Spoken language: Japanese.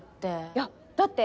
いやだって